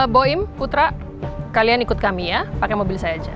boim putra kalian ikut kami ya pakai mobil saya aja